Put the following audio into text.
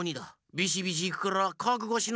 ビシビシいくからかくごしな！